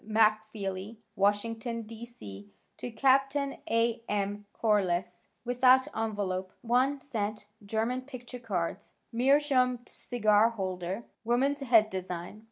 MacFeeley, Washington, D. C., to Capt. A. M. Corliss, without envelope, one cent, German picture cards, meerschaum cigar holder, woman's head design.